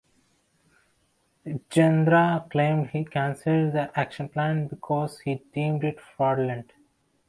Tjandra claimed he canceled the action plan because he deemed it fraudulent.